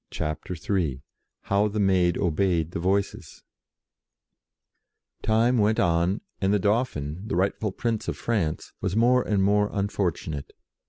CHAPTER III HOW THE MAID OBEYED THE VOICES TIME went on, and the Dauphin, the rightful Prince of France, was more and more unfortunate.